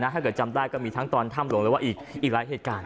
ถ้าเกิดจำได้ก็มีทั้งตอนถ้ำหลวงหรือว่าอีกหลายเหตุการณ์